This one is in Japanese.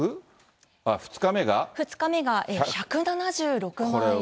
２日目が１７６万円。